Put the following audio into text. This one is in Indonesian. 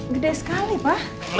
gede sekali pak